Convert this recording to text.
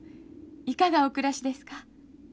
いかがお暮らしですか。